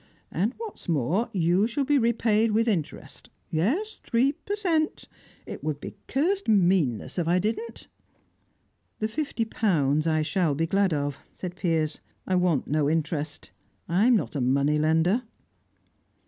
And, what's more, you shall be repaid with interest; yes, three per cent. It would be cursed meanness if I didn't." "The fifty pounds I shall be glad of," said Piers. "I want no interest. I'm not a money lender."